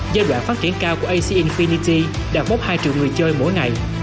giai đoạn phát triển cao của ac infinity đạt bốc hai triệu người chơi mỗi ngày